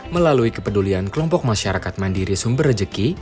melalui kepedulian kelompok masyarakat mandiri sumber rejeki